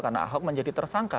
karena ahok menjadi tersangka